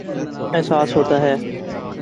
احساس ہوتاہے